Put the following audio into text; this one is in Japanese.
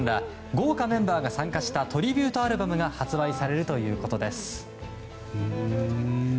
豪華メンバーが参加したトリビュートアルバムが発売されるということです。